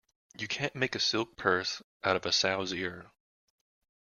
You can't make a silk purse out of a sow's ear.